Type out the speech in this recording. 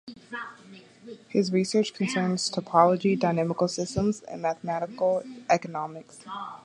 His research concerns topology, dynamical systems and mathematical economics.